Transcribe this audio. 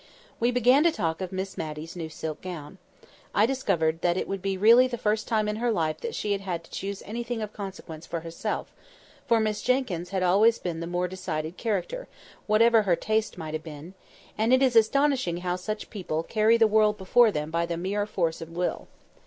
We began to talk of Miss Matty's new silk gown. I discovered that it would be really the first time in her life that she had had to choose anything of consequence for herself: for Miss Jenkyns had always been the more decided character, whatever her taste might have been; and it is astonishing how such people carry the world before them by the mere force of will.